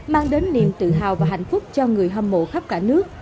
mang đến niềm tự hào và hạnh phúc cho người hâm mộ khắp cả nước